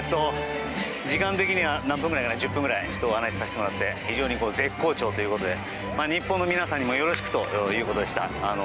時間的には１０分ぐらいお話させてもらって非常に絶好調ということで日本の皆さんにもよろしくということでした。